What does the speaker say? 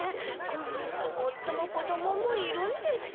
こう見えても夫も子どももいるんです。